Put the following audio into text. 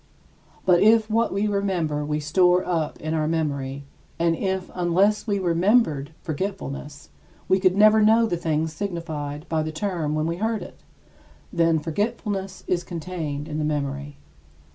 But if what we remember we store up in our memory; and if, unless we remembered forgetfulness, we could never know the thing signified by the term when we heard it then, forgetfulness is contained in the memory.